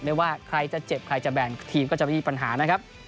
ไม่ว่าใครจะเจ็บใครจะแบ่งทีมก็จะไม่มีปัญหานะครับ